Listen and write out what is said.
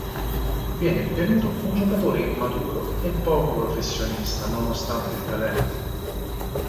Viene ritenuto un giocatore immaturo e poco professionista nonostante il talento.